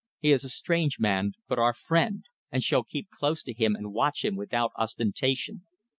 He is a strange man, but our friend, and shall keep close to him and watch him without ostentation.